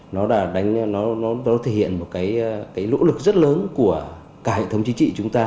nó thể hiện một lỗ lực rất lớn của cả hệ thống chính trị chúng ta